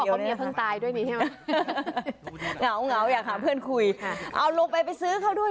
ด้วยนี่ใช่ไหมหงาวหงาวอยากหาเพื่อนคุยค่ะเอาลงไปไปซื้อเข้าด้วย